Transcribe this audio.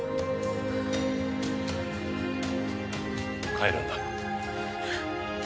帰るんだ。